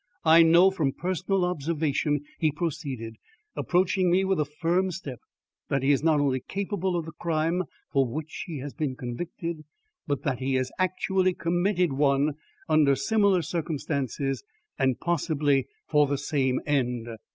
"I know from personal observation," he proceeded, approaching me with a firm step, "that he is not only capable of the crime for which he has been convicted, but that he has actually committed one under similar circumstances, and possibly for the same end."